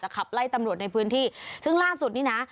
ขับไล่ตำรวจในพื้นที่ซึ่งล่าสุดนี้นะ